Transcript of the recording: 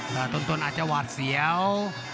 แต่ต้นอาจจะหวาดเสียว